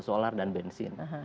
solar dan bensin